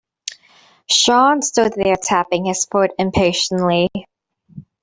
Sean stood there tapping his foot impatiently.